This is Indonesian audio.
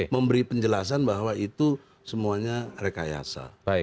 memberi penjelasan bahwa itu semuanya rekayasa